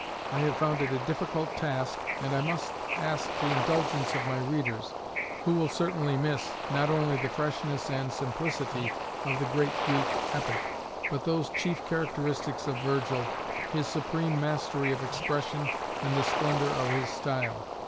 I have found it a difficult task, and I must ask the indulgence of my readers, who will certainly miss, not only the freshness and simplicity of the great Greek epic, but those chief characteristics of Virgil, his supreme mastery of expression and the splendour of his style.